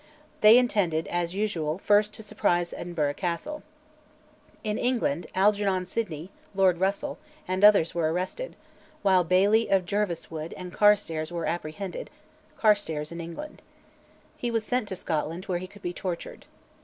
They intended as usual first to surprise Edinburgh Castle. In England Algernon Sidney, Lord Russell, and others were arrested, while Baillie of Jerviswoode and Carstares were apprehended Carstares in England. He was sent to Scotland, where he could be tortured.